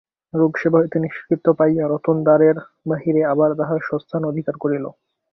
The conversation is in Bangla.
রোগসেবা হইতে নিষ্কৃতি পাইয়া রতন দ্বারের বাহিরে আবার তাহার স্বস্থান অধিকার করিল।